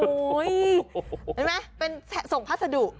เห็นไหมเป็นส่งพัสดุ